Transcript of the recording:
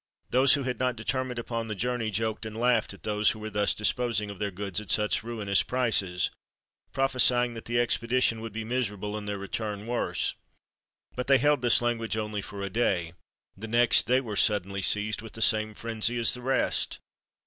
Those who had not determined upon the journey joked and laughed at those who were thus disposing of their goods at such ruinous prices, prophesying that the expedition would be miserable and their return worse. But they held this language only for a day; the next they were suddenly seized with the same frenzy as the rest.